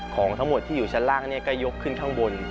ของทั้งหมดที่อยู่ชั้นล่างก็ยกขึ้นข้างบน